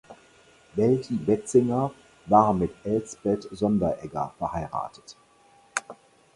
Wälti Bänziger war mit Elsbeth Sonderegger verheiratet.